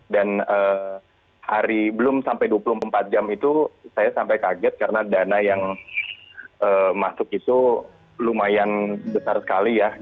dan hari belum sampai dua puluh empat jam itu saya sampai kaget karena dana yang masuk itu lumayan besar sekali ya